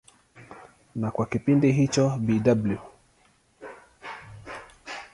Na kwa kipindi hicho Bw.